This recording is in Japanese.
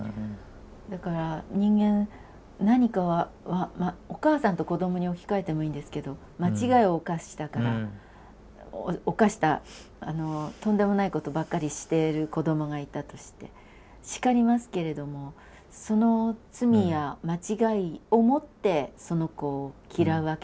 だから人間何かお母さんと子どもに置き換えてもいいんですけど間違いを犯したとんでもないことばっかりしてる子どもがいたとして叱りますけれどもその罪や間違いをもってその子を嫌うわけでもないし。